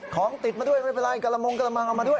ของติดมาด้วยไม่เป็นไรกระมงกระมังเอามาด้วย